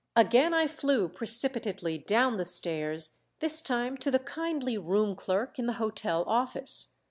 Again I flew precipitately down the stairs, this time to the kindly room clerk in the hotel office.